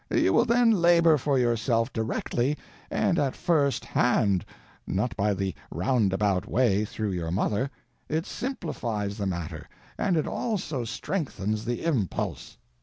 You will then labor for yourself directly and at _first hand, _not by the roundabout way through your mother. It simplifies the matter, and it also strengthens the impulse.